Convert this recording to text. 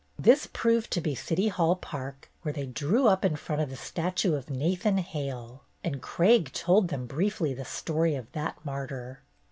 This proved to be City Hall Park, where they drew up in front of the statue of Nathan Hale, and Craig told them briefly the story of that martyr.